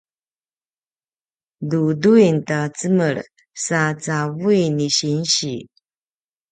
duduin ta cemel sa cavui ni sinsi